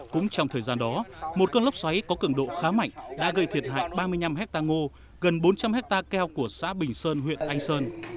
cũng trong thời gian đó một cơn lốc xoáy có cường độ khá mạnh đã gây thiệt hại ba mươi năm hectare ngô gần bốn trăm linh hectare keo của xã bình sơn huyện anh sơn